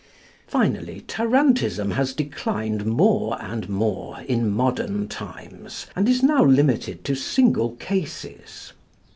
Finally, tarantism has declined more and more in modern times, and is now limited to single cases.